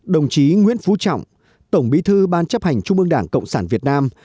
đồng chí nguyễn phú trọng tổng bí thư ban chấp hành trung ương đảng cộng sản việt nam